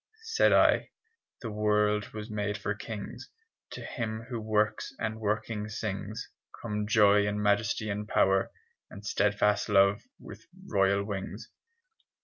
Said I "The world was made for kings: To him who works and working sings Come joy and majesty and power And steadfast love with royal wings."